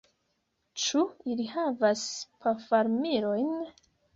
Ĉu ili havas pafarmilojn?